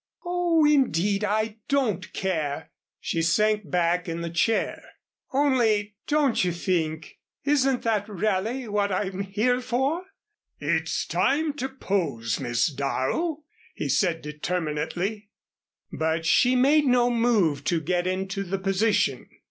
"Oh, indeed, I don't care," she sank back in the chair. "Only don't you think isn't that really what I'm here for?" "It is time to pose, Miss Darrow," he said determinately. But she made no move to get into the position.